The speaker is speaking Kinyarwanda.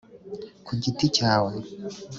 ku giti cyawe